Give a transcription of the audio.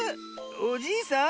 おじいさん？